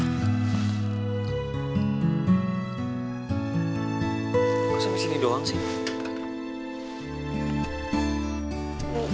lo sampe sini doang sih